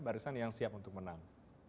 barisan yang siap untuk menang